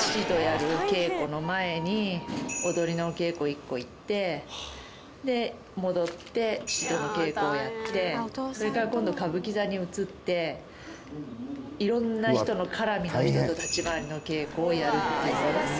父とやる稽古の前に踊りのお稽古１個行ってで戻って父との稽古をやってそれから今度歌舞伎座に移って色んな人のカラミの人と立廻りの稽古をやるっていう。